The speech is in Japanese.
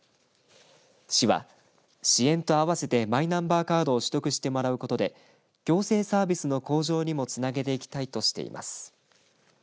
市は、支援と合わせてマイナンバーカードを取得してもらうことで行政サービスの向上にもつなげていきたいとしています。